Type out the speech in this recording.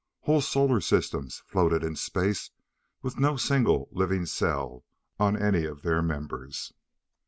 Whole solar systems floated in space with no single living cell on any of their members.